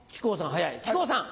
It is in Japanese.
早い木久扇さん。